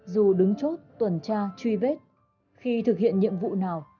dù đứng chốt tuần tra truy vết khi thực hiện nhiệm vụ nào